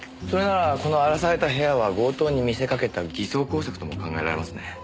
それならこの荒らされた部屋は強盗に見せかけた偽装工作とも考えられますね。